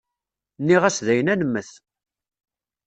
Nniɣ-as dayen ad nemmet.